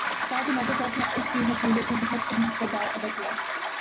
ساتھ ہی مائیکروسوفٹ نے اس کی مقبولیت میں بہت اہم کردار ادا کیا